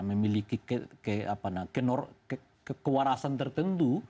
memiliki kewarasan tertentu